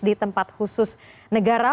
di tempat khusus negara